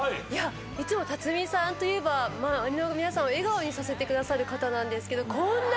いつも辰巳さんといえば皆さんを笑顔にさせてくださる方なんですけどこんな。